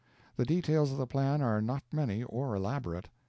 The details of the plan are not many or elaborate.